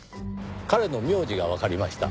彼の名字がわかりました。